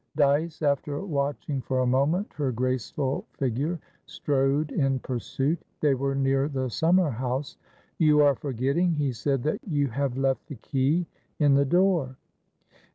Dyce, after watching for a moment her graceful figure, strode in pursuit. They were near the summer house. "You are forgetting," he said, "that you have left the key in the door."